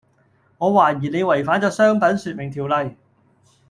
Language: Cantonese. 我懷疑你違反咗商品説明條例